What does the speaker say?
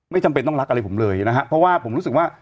จำเป็นต้องรักอะไรผมเลยนะฮะเพราะว่าผมรู้สึกว่า